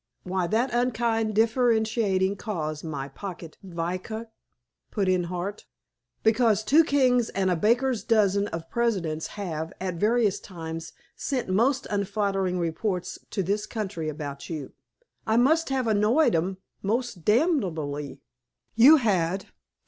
"Why that unkind differentiating clause, my pocket Vidocq?" put in Hart. "Because two Kings and a baker's dozen of Presidents have, at various times, sent most unflattering reports to this country about you." "I must have annoyed 'em most damnably." "You had.